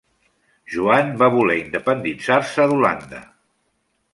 Joan va voler independitzar-se d'Holanda.